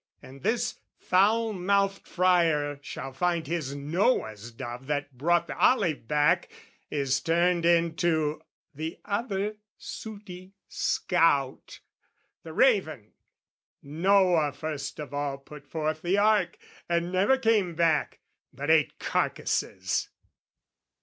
And this foul mouthed friar shall find His Noah's dove that brought the olive back, Is turned into the other sooty scout, The raven, Noah first of all put forth the ark, And never came back, but ate carcasses!